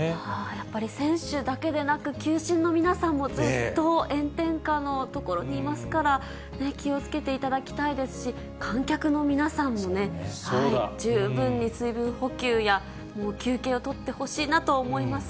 やっぱり選手だけでなく、球審の皆さんもずっと炎天下の所にいますから、気をつけていただきたいですし、観客の皆さんもね、十分に水分補給や、休憩を取ってほしいなと思いますね。